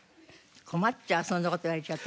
困っちゃうそんな事言われちゃうと。